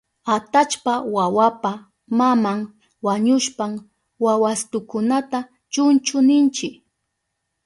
Atallpa wawapa maman wañushpan wawastukunata chunchu ninchi.